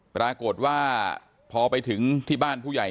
ปรากฏว่าพอไปถึงที่บ้านผู้ใหญ่